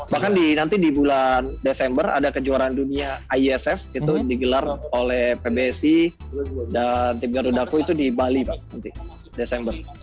bahkan di nanti di bulan desember ada kejuaraan dunia iesf itu digelar oleh pbsi dan tim garuda co itu di bali pak nanti desember